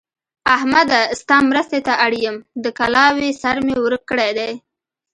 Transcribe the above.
احمده! ستا مرستې ته اړ يم؛ د کلاوې سر مې ورک کړی دی.